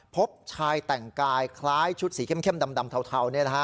พบชายแต่งกายคล้ายชุดสีเข้มดำเทา